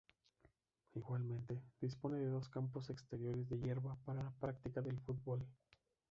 Igualmente, dispone de dos campos exteriores de hierba para la práctica del fútbol.